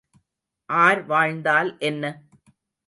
R வாழ்ந்தால் என்ன?